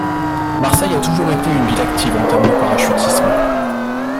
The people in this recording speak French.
Marseille a toujours été une ville active en termes de parachutisme.